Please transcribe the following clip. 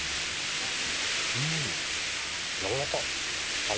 うん！やわらかっ！